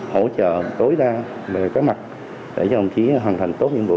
hỗ trợ tối đa về các mặt để cho đồng chí hoàn thành tốt nhiệm vụ